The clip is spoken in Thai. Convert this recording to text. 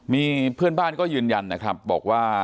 มีเพื่อนบ้านก็ยืนยันนะครับบอกว่า